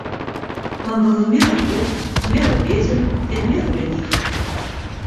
Он был в меру худ, в меру беден и в меру ленив.